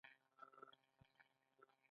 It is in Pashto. ایا زه دا بد عادتونه پریښودلی شم؟